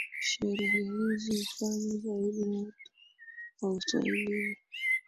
Sherehe hizi hufanywa zaidi na watu wa uswahilini